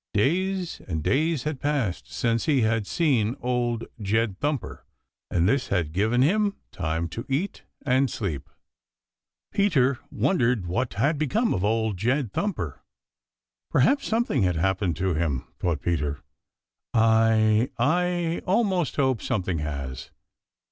Days and days had passed since he had seen Old Jed Thumper, and this had given him time to eat and sleep. Peter wondered what had become of Old Jed Thumper. "Perhaps something has happened to him," thought Peter. "I I almost hope something has."